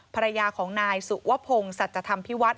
ภรรยาของนายสุวพงศ์สัจธรรมพิวัฒน